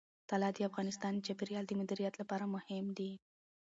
طلا د افغانستان د چاپیریال د مدیریت لپاره مهم دي.